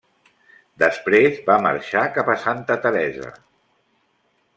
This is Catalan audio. Després va marxar cap a Santa Teresa.